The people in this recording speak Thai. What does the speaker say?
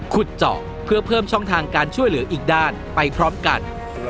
ขุดเจาะเพื่อเพิ่มช่องทางการช่วยเหลืออีกด้านไปพร้อมกัน